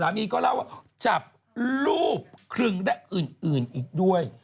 ีก็เล่าว่าจับรูปครึงและอื่นอีกด้วย